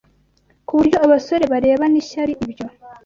kuburyo abasore bareba Nishyari ibyo